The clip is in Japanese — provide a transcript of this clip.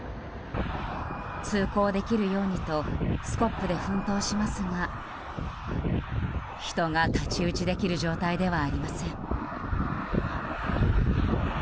通行できるようにとスコップで奮闘しますが人が太刀打ちできる状態ではありません。